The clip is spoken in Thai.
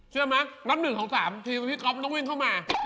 เชื่อไหมกรั้ม๑กรั้ง๓ทีซะพี่กอล์ฟต้องวิ่งเข้ามา